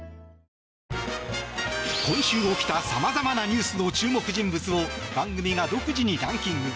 今週起きたさまざまなニュースの注目人物を番組が独自にランキング。